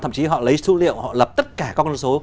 thậm chí họ lấy số liệu họ lập tất cả các con số